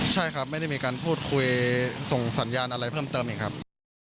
ใช่ครับไม่ได้มีการพูดคุยส่งสัญญาณอะไรเพิ่มเติมอีกครับ